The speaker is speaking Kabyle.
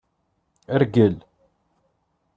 Rgel.